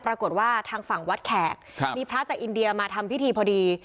ปรากฏว่าทางฝั่งวัดแขกมีพระจากอินเดียมาทำพิธีพอดี